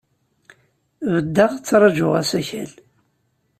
Beddeɣ, ttṛajuɣ asakal.